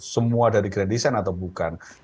semua dari grand design atau bukan